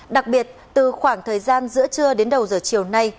đặc biệt từ khoảng thời gian giữa trưa đến đầu giờ chiều nay